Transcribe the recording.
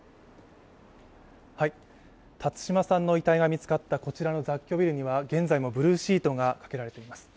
辰島さんの遺体が見つかったこちらの雑居ビルには現在もブルーシートがかけられています。